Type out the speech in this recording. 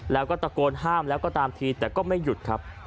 แล้วก็ตะโกนห้ามแล้วก็ตามทีแต่ก็ไม่หยุดครับ